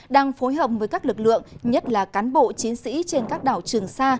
đang phối hợp với các lực lượng nhất là cán bộ chiến sĩ trên các đảo trường sa